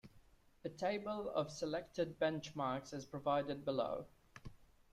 A table of selected benchmarks is provided below.